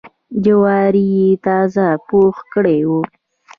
جواري یې تازه پوخ کړی و.